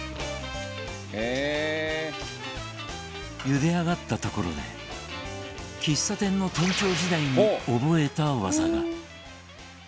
ゆで上がったところで喫茶店の店長時代に覚えた技が。